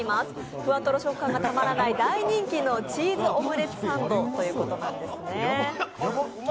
ふわとろ食感がたまらない大人気のチーズオムレツサンドということなんですね。